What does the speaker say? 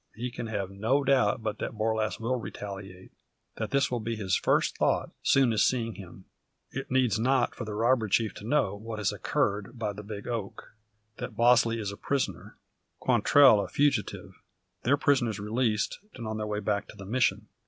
He can have no doubt but that Borlasse will retaliate; that this will be his first thought, soon as seeing him. It needs not for the robber chief to know what has occurred by the big oak; that Bosley is a prisoner, Quantrell a fugitive, their prisoners released, and on their way back to the Mission.